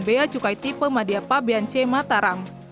beacukai tipe madiapa bnc mataram